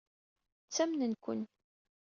Ttamnen-ken.